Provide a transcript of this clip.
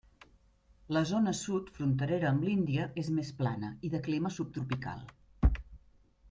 La zona sud, fronterera amb l'Índia és més plana, i de clima subtropical.